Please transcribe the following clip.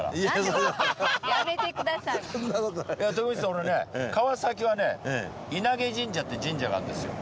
俺ね川崎はね稲毛神社って神社があるんですよ。